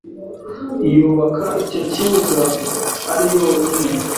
yubaka icyo kibuga ari yonyine